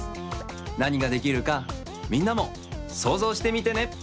なにができるかみんなもそうぞうしてみてね。